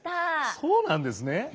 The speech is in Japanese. そうなんですね。